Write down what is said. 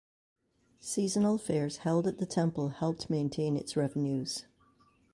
Seasonal fairs held at the temple helped maintain its revenues.